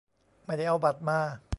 ไม่ได้เอาบัตรมา